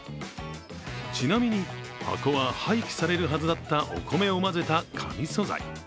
ちなみに、箱は廃棄されるはずだったお米を混ぜた紙素材。